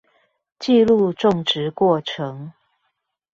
記錄種植過程